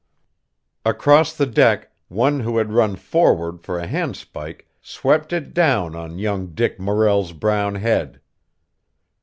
Across the deck, one who had run forward for a handspike swept it down on young Dick Morrel's brown head.